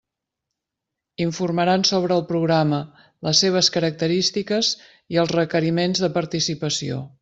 Informaran sobre el programa, les seves característiques i els requeriments de participació.